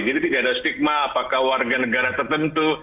jadi tidak ada stigma apakah warga negara tertentu